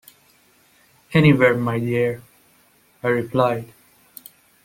"Anywhere, my dear," I replied.